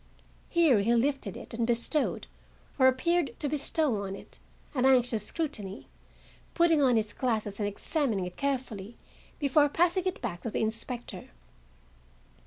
Here he lifted it and bestowed, or appeared to bestow on it, an anxious scrutiny, putting on his glasses and examining it carefully before passing it back to the inspector.